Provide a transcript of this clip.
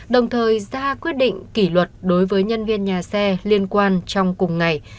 đồng thời ra quyết định kỷ luật đối với nhân viên nhà xe liên quan trong cùng ngày